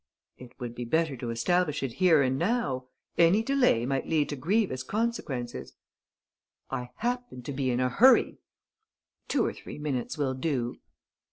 "It would be better to establish it here and now. Any delay might lead to grievous consequences." "I happen to be in a hurry." "Two or three minutes will do."